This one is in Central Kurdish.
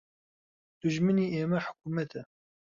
دوژمنی ئێمە حکومەتە